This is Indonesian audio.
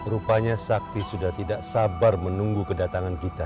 rupanya sakti sudah tidak sabar menunggu kedatangan kita